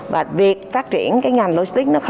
và việc phát triển cái ngành logistics